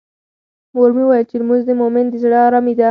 مور مې وویل چې لمونځ د مومن د زړه ارامي ده.